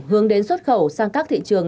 hướng đến xuất khẩu sang các thị trường